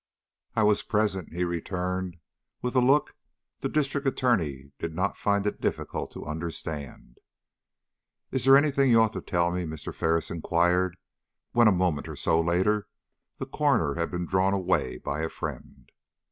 "I was present," he returned, with a look the District Attorney did not find it difficult to understand. "Is there any thing you ought to tell me?" Mr. Ferris inquired, when a moment or so later the coroner had been drawn away by a friend.